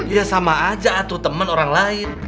ya sama aja atuh temen orang lain